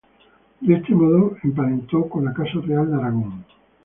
De este modo emparentó con la Casa Real de Aragón.